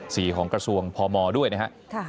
ของกระทรวงพมด้วยนะครับ